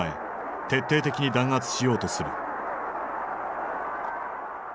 徹底的に弾圧しようとする。